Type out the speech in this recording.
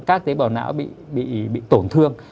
các tế bào não bị tổn thương